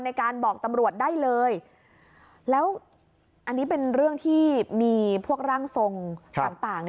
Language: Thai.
ในการบอกตำรวจได้เลยแล้วอันนี้เป็นเรื่องที่มีพวกร่างทรงต่าง